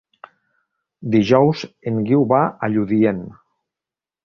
Dijous en Guiu va a Lludient.